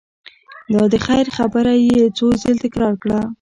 دا د خیر خبره یې څو ځل تکرار کړه.